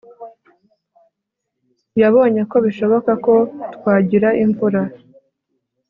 Yabonye ko bishoboka ko twagira imvura